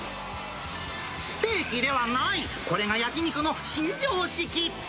ステーキではない、これが焼き肉の新常識。